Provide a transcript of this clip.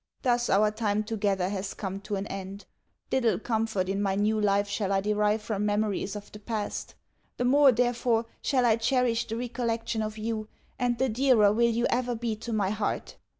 Thus our time together has come to an end. Little comfort in my new life shall I derive from memories of the past. The more, therefore, shall I cherish the recollection of you, and the dearer will you ever be to my heart.